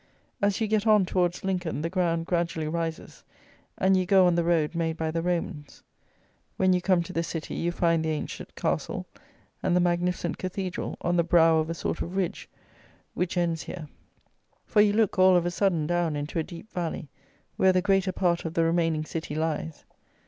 As you get on towards Lincoln, the ground gradually rises, and you go on the road made by the Romans. When you come to the city you find the ancient castle and the magnificent cathedral on the brow of a sort of ridge which ends here; for you look all of a sudden down into a deep valley, where the greater part of the remaining city lies.